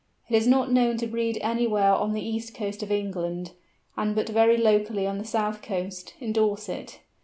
It is not known to breed anywhere on the east coast of England, and but very locally on the south coast, in Dorset.